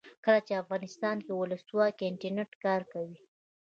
کله چې افغانستان کې ولسواکي وي انټرنیټ کار کوي.